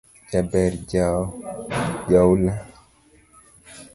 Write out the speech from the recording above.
Jabber jaula